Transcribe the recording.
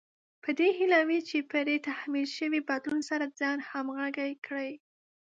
په دې هيله وي چې پرې تحمیل شوي بدلون سره ځان همغږی کړي.